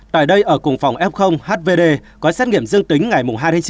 tại đây ở cùng phòng f hvd có xét nghiệm dương tính ngày hai tháng chín